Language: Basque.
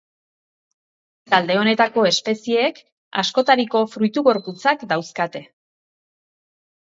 Talde honetako espezieek askotariko fruitu-gorputzak dauzkate.